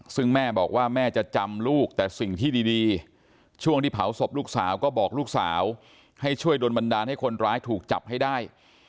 ซึ่งแม่บอกว่าแม่จะจำลูกแต่สิ่งที่ดีช่วงที่เผาศพลูกสาวก็บอกลูกสาวให้ช่วยโดนบันดาลให้คนร้ายถูกจับให้ได้